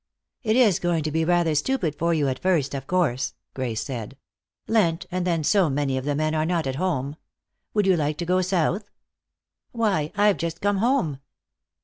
"It is going to be rather stupid for you at first, of course," Grace said. "Lent, and then so many of the men are not at home. Would you like to go South?" "Why, I've just come home!"